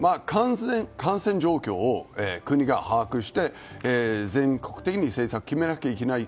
感染状況を国が把握して全国的に政策を決めなきゃいけない。